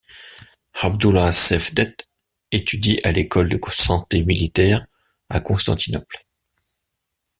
Abdullah Cevdet étudie à l'école de santé militaire à Constantinople.